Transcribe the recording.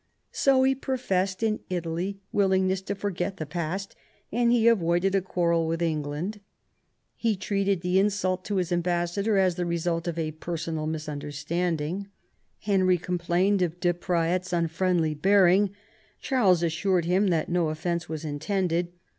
So he professed in Italy willingness to forget the past, and he avoided a quarrel with England. He treated the insult to his ambassador as ihe result of a personal misunder standing. Henry complained of De Praet's unfriendly bearing; Charles assured him that no offence was intended.